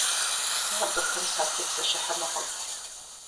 Сэ абыхэм сатепсэлъыхьынукъым.